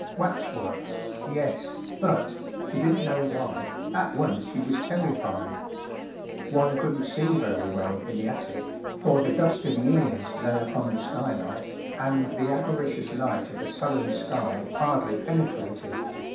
Waxworks, yes, but, she didn’t know why, at once she was terrified. One couldn't see very well in the attic, for the dust of years lay upon the skylight, and the avaricious light of the sullen sky hardly penetrated.